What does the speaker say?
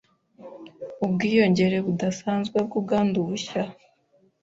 ubwiyongere budasanwe bw’ ubwandu bushya